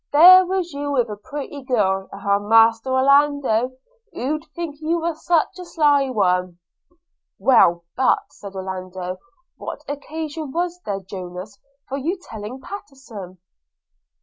there was you with a pretty girl. Ah, Master Orlando! who'd think you was such a sly one?' 'Well, but,' said Orlando, 'what occasion was there, Jonas, for your telling Pattenson?'